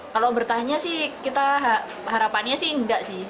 kalau bertanya sih kita harapannya sih enggak sih